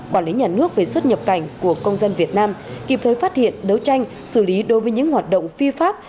quản lý nhà nước về xuất nhập cảnh của công dân việt nam kịp thời phát hiện đấu tranh xử lý đối với những hoạt động phi pháp